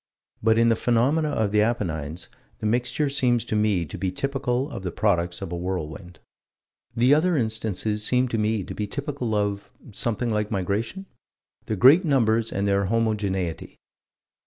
But in the phenomenon of the Apennines, the mixture seems to me to be typical of the products of a whirlwind. The other instances seem to me to be typical of something like migration? Their great numbers and their homogeneity.